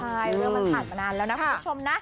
ใช่เรื่องมันผ่านมานานแล้วนะคุณผู้ชมนะ